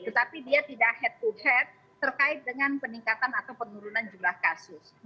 tetapi dia tidak head to head terkait dengan peningkatan atau penurunan jumlah kasus